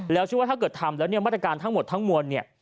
แล้วถ้าเกิดทำแล้วมาตรการทั้งหมดทั้งมวล